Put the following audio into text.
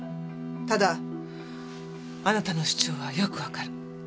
ただあなたの主張はよくわかる。